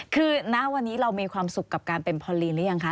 คือณวันนี้เรามีความสุขกับการเป็นพอลีนหรือยังคะ